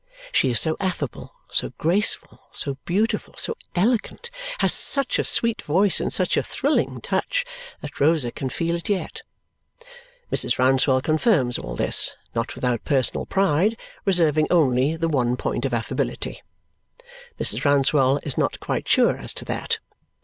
She is so affable, so graceful, so beautiful, so elegant; has such a sweet voice and such a thrilling touch that Rosa can feel it yet! Mrs. Rouncewell confirms all this, not without personal pride, reserving only the one point of affability. Mrs. Rouncewell is not quite sure as to that.